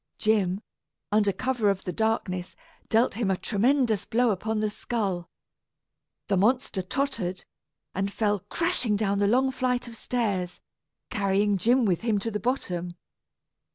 Jim, under cover of the darkness, dealt him a tremendous blow upon the skull. The monster tottered, and fell crashing down the long flight of stairs, carrying Jim with him to the bottom.